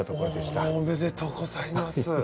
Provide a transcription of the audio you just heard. おめでとうございます。